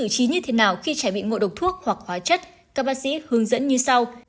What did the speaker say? các bác sĩ hướng dẫn như sau